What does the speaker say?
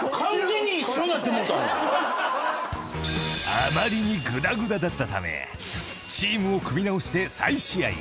［あまりにぐだぐだだったためチームを組み直して再試合］